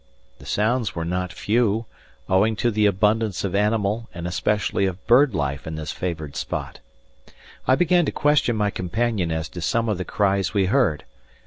The sounds were not few, owing to the abundance of animal and especially of bird life in this favoured spot. I began to question my companion as to some of the cries we heard.